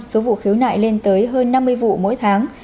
số vụ khiếu nại lên tới hơn năm mươi vụ mỗi tháng